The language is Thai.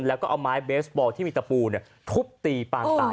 แล้วก็เอาไม้เบสบอลที่มีตะปูทุบตีปางตาย